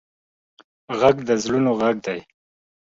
غږ د زړونو غږ دی